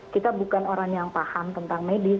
kita bukan orang yang paham tentang medis